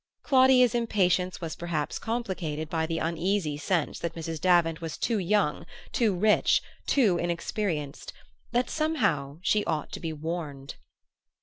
Claudia's impatience was perhaps complicated by the uneasy sense that Mrs. Davant was too young, too rich, too inexperienced; that somehow she ought to be warned.